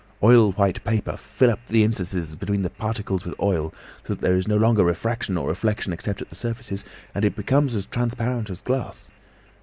Oil white paper, fill up the interstices between the particles with oil so that there is no longer refraction or reflection except at the surfaces, and it becomes as transparent as glass.